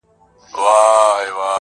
د یوه بل په ښېګڼه چي رضا سي،